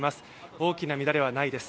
大きな乱れはないです。